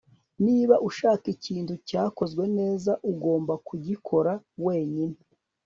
Niba ushaka ikintu cyakozwe neza ugomba kugikora wenyine